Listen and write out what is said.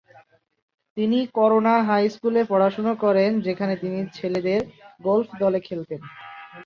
তিনি Corona high স্কুলে পড়াশোনা করেন, যেখানে তিনি ছেলেদের গলফ দলে খেলতেন।